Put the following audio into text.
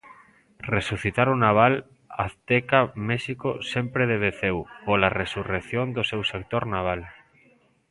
Resucitar o naval azteca México sempre deveceu pola resurrección do seu sector naval.